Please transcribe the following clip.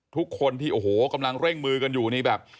ทุกคนที่โอ้โหกำลังเร่งมือกันอยู่นี่แบบ